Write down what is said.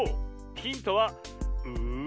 ⁉ヒントはうう。